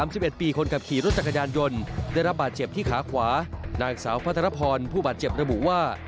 ส่วนรถกระบะคู่กรณีพบว่า